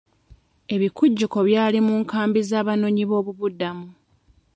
Ebikujjuko byali mu nkambi z'abanoonyiboobubudamu.